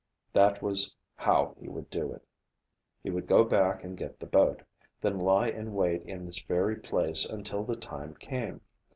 That was how he would do it. He would go back and get the boat, then lie in wait in this very place until the time came.